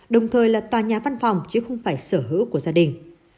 đồng thời là tòa nhà văn phòng chứ không phải sở hữu của gia đình